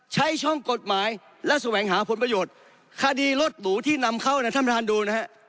ใช้ช่องกฎหมายและแสวงหาผลประโยชน์คดีรถหรูที่นำเข้านะท่านประธานดูนะฮะ